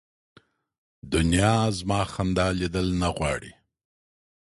دنیا زما خندا لیدل نه غواړي